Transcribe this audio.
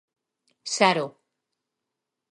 Saro.